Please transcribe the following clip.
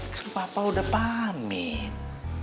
kan papa udah pamit